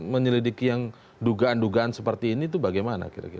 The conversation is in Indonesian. menyelidiki yang dugaan dugaan seperti ini itu bagaimana